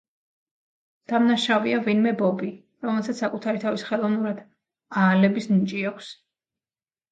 დამნაშავეა ვინმე ბობი, რომელსაც საკუთარი თავის ხელოვნურად აალების ნიჭი აქვს.